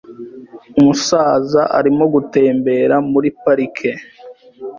Umusaza arimo gutembera muri parike .